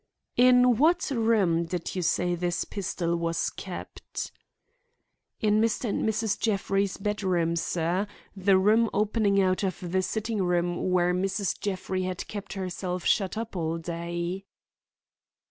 "In what room did you say this pistol was kept?" "In Mr. and Mrs. Jeffrey's bed room, sir; the room opening out of the sitting room where Mrs. Jeffrey had kept herself shut up all day."